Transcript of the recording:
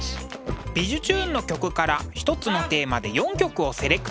「びじゅチューン！」の曲から一つのテーマで４曲をセレクト。